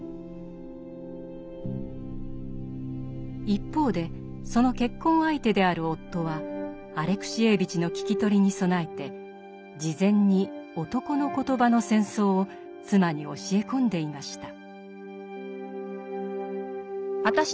一方でその結婚相手である夫はアレクシエーヴィチの聞き取りに備えて事前に「男の言葉」の戦争を妻に教え込んでいました。